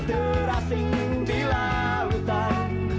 hidup ini hanya kepingan